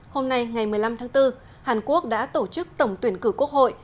hôm nay ngày một mươi năm tháng bốn hàn quốc đã tổ chức tổng tuyển cử quốc hội